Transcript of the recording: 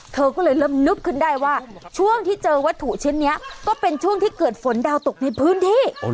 เธอก็เลยเริ่มนึกขึ้นได้ว่าช่วงที่เจอวัตถุชิ้นนี้ก็เป็นช่วงที่เกิดฝนดาวตกในพื้นที่